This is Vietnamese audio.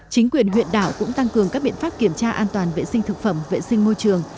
chính quyền huyện đảo cũng tăng cường các biện pháp kiểm tra an toàn vệ sinh thực phẩm vệ sinh môi trường